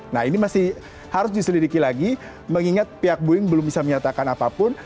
nah ini masih harus diselidiki lagi mengingat pihak boeing belum bisa menyatakan apapun